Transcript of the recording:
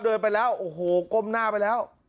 เดินไปแล้วโอ้โหก้มหน้าไปแล้ว